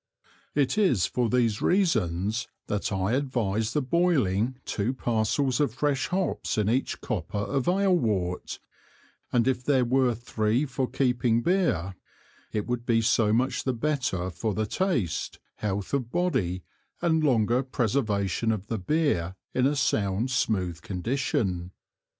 It is for these Reasons that I advise the boiling two Parcels of fresh Hops in each Copper of Ale wort, and if there were three for keeping Beer, it would be so much the better for the taste, health of Body and longer Preservation of the Beer in a sound smooth Condition.